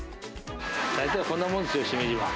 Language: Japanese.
大体こんなもんですよ、シメジは。